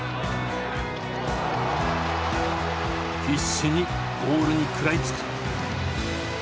必死にボールに食らいつく。